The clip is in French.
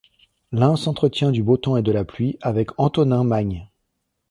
L'un s'entretient du beau temps et de la pluie, avec Antonin Magne.